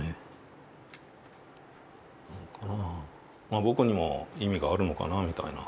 まあぼくにも意味があるのかなみたいな。